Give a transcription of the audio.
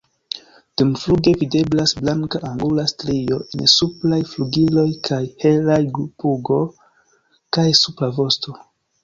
Dumfluge videblas blanka angula strio en supraj flugiloj kaj helaj pugo kaj supra vosto.